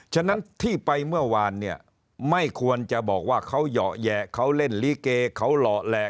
ฉะนั้นที่ไปเมื่อวานเนี่ยไม่ควรจะบอกว่าเขาเหยาะแหยะเขาเล่นลิเกเขาหล่อแหลก